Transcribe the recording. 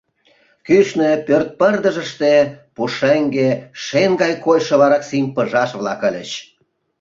Кӱшнӧ, пӧрт пырдыжыште, пушеҥге шен гай койшо вараксим пыжаш-влак ыльыч.